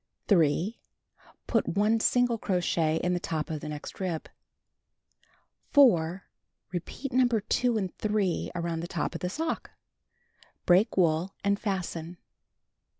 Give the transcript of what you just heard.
3. Put 1 single crochet in the top of the next rib. 4. Repeat No. 2 and 3 around the top of the sock. Break wool and fasten.